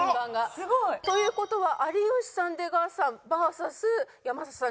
すごい！という事は有吉さん出川さんＶＳ山里さん